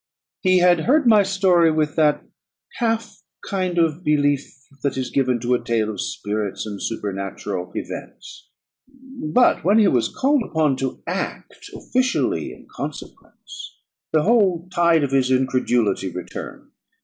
He had heard my story with that half kind of belief that is given to a tale of spirits and supernatural events; but when he was called upon to act officially in consequence, the whole tide of his incredulity returned.